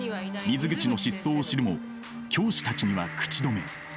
水口の失踪を知るも教師たちには口止め。